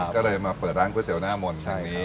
ก็เลยมาเปิดร้านก๋วยเตี๋ยหน้ามนต์